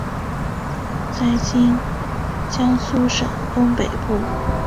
在今江苏省东北部。